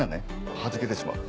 はじけてしまう。